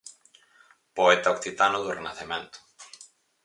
Poeta occitano do Renacemento.